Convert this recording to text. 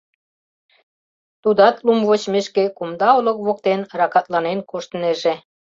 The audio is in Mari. Тудат, лум вочмешке, кумда олык воктен ракатланен коштнеже.